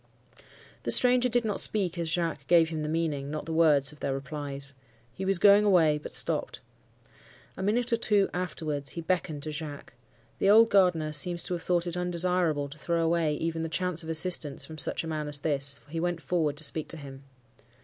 "The stranger did not speak as Jacques gave him the meaning, not the words, of their replies. He was going away, but stopped. A minute or two afterwards, he beckoned to Jacques. The old gardener seems to have thought it undesirable to throw away even the chance of assistance from such a man as this, for he went forward to speak to him.